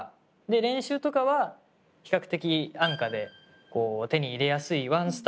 練習とかは比較的安価で手に入れやすいワンスター。